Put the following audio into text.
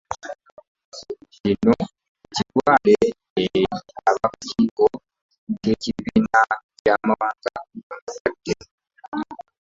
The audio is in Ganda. Kino bakitwale eri akakiiko k'ekibiina ky'amawanga amagatte